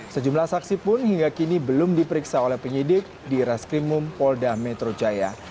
sejumlah saksi pun hingga kini belum diperiksa oleh penyidik di reskrimum polda metro jaya